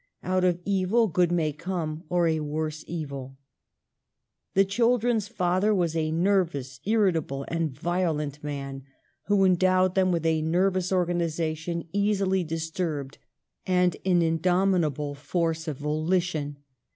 Out of evil good may come, or a worse evil. The children's father was a nervous, irritable, and violent man, who endowed them with a ner vous organization easily disturbed and an in domitable force of volition.